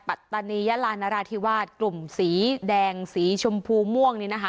ปัตตานียาลานราธิวาสกลุ่มสีแดงสีชมพูม่วงนี่นะคะ